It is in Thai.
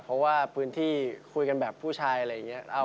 เพราะว่าพื้นที่คุยกันแบบผู้ชายอะไรอย่างนี้